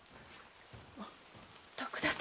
徳田様。